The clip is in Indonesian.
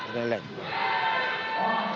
nggak ada yang lain